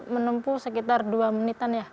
menempuh sekitar dua menitan ya